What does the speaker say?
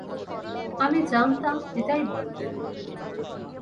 জানতাম এটাই বলবে।